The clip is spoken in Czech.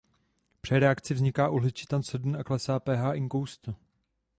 Při reakci vzniká uhličitan sodný a klesá pH inkoustu.